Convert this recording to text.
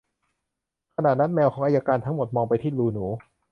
ขณะนั้น แมวของอัยการทั้งหมดมองไปที่รูหนู